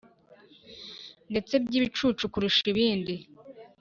ndetse by’ibicucu kurusha ibindi.